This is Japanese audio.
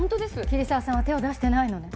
桐沢さんは手を出してないのね？